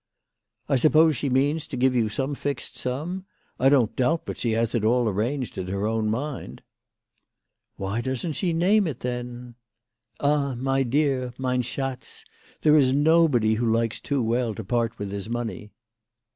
" I suppose she means to give you some fixed sum. I don't doubt but she has it all arranged in her own mind." " Why doesn't she name it, then ?" 1 'Ah, my dear, mein schatz, there is nobody who likes too well to part with his money."